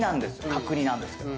角煮なんですけど。